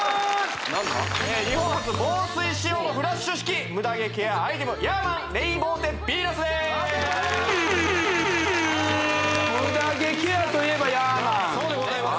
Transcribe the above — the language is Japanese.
日本初防水仕様のフラッシュ式ムダ毛ケアアイテムヤーマンレイボーテヴィーナスですあっ出た・おおムダ毛ケアと言えばヤーマンそうでございます